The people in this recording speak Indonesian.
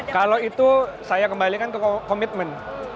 kalau itu saya kembalikan ke komitmen